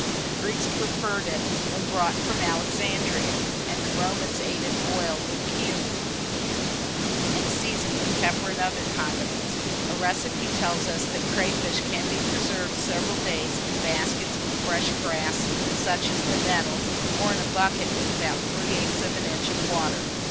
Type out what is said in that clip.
The Greeks preferred it when brought from Alexandria, and the Romans ate it boiled with cumin, and seasoned with pepper and other condiments. A recipe tells us, that crayfish can be preserved several days in baskets with fresh grass, such as the nettle, or in a bucket with about three eighths of an inch of water.